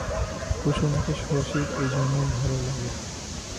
কুসুমকে শশীর এইজন্যই ভালো লাগে।